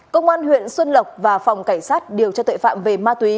công an huyện xuân lộc và phòng cảnh sát điều tra tội phạm về ma túy